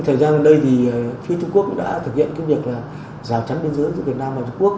thời gian ở đây thì phía trung quốc đã thực hiện cái việc là rào chắn bên giữa giữa việt nam và trung quốc